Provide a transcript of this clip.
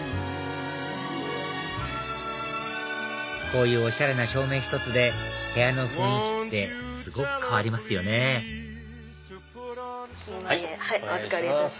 こういうおしゃれな照明１つで部屋の雰囲気ってすごく変わりますよねお願いします。